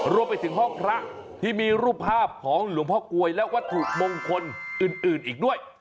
รวมไปถึงห้องพระที่มีรูปภาพของหลวงพ่อกลวยและวัตถุมงคลอื่นอีกด้วย